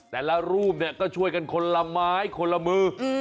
แต่ละรูปเนี่ยก็ช่วยกันคนละไม้คนละมือ